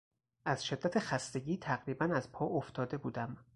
از شدت خستگی تقریبا از پا افتاده بودم.